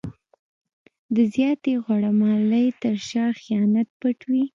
د زیاتې غوړه مالۍ تر شا خیانت پټ وي.